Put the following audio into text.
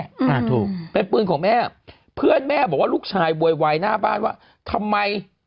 อ่าถูกเป็นปืนของแม่เพื่อนแม่บอกว่าลูกชายโวยวายหน้าบ้านว่าทำไม